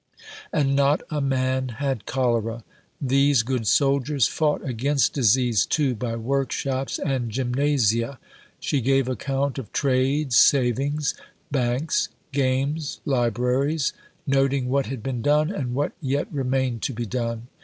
And not a man had cholera. These good soldiers fought against disease, too, by workshops and gymnasia." She gave account of trades, savings' banks, games, libraries; noting what had been done and what yet remained to be done.